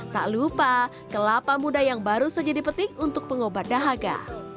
tak lupa kelapa muda yang baru saja dipetik untuk pengobat dahaga